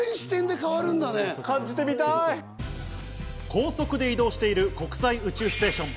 高速で移動している国際宇宙ステーション。